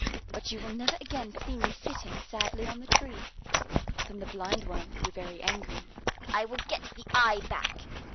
But you will never again see me sitting sadly on the tree." Then the Blindworm grew very angry. "I will get the eye back!"